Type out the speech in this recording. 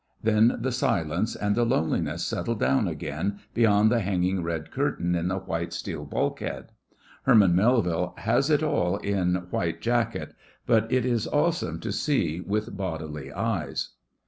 Then the silence and the loneliness settle down again beyond the hanging red curtain in the white steel bulkhead. Herman Melville has it all in White Jacket, but it is awesome to see with bodily eyes.